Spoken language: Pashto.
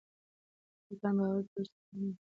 سلطان باور درلود چې تفاهم ممکن دی.